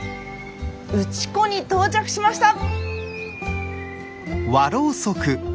内子に到着しました！